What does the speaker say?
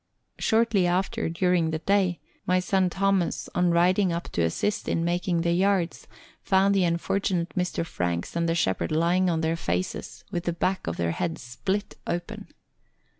Shortly after, during the day, my son Thomas on riding up to assist in making the yards, found the unfortunate Mr. Franks and the shepherd lying on their faces, with the back of their heads split open.